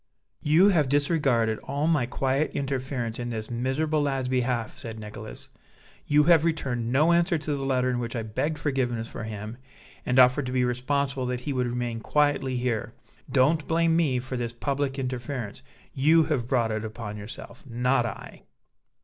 "You have disregarded all my quiet interference in this miserable lad's behalf," said Nicholas; "you have returned no answer to the letter in which I begged forgiveness for him and offered to be responsible that he would remain quietly here. Don't blame me for this public interference. You have brought it upon yourself; not I."